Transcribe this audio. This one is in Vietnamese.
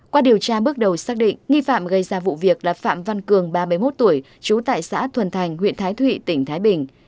qua điều tra bước đầu xác định nghi phạm gây ra vụ việc là phạm văn cường ba mươi một tuổi trú tại xã thuần thành huyện thái thụy tỉnh thái bình